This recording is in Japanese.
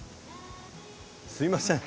すいません。